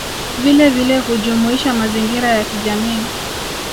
Vilevile hujumuisha mazingira ya kijamii